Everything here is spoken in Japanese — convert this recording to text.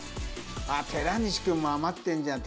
あっ寺西君も余ってるじゃん。